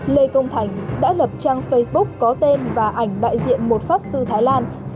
lê công thành đã lập trang facebook có tên và ảnh đại diện một pháp sư thái lan